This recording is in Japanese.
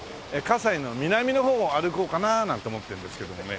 西の南の方を歩こうかななんて思ってるんですけどもね。